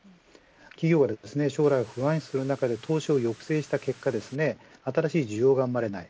企業は将来を不安視する中で投資を抑制した結果新しい需要が生まれない。